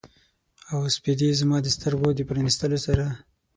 او سپیدې زما د سترګو د پرانیستلو سره